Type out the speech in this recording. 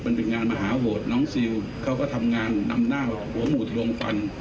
มันเป็นงานมหาโหวตน้องซิลเขาก็ทำงานนำหน้าหัวหมุดดวงฟัน